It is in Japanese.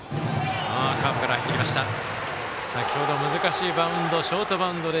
先ほど難しいバウンドショートバウンドで